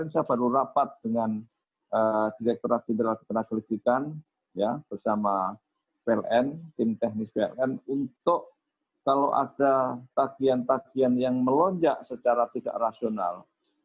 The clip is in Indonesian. jadi pln harus memverifikasi dulu kira kira ada tagihan yang tidak rasional